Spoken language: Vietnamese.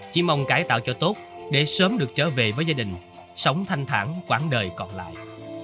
chỉ mong cải tạo cho tốt để sớm được trở về với gia đình sống thanh thản quãng đời còn lại